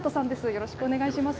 よろしくお願いします。